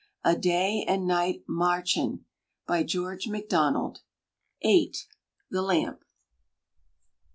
A Day and Night Mährchen. BY GEORGE MACDONALD. VIII. THE LAMP.